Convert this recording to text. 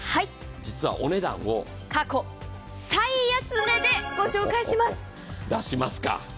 実はお値段を過去最安値でご紹介します。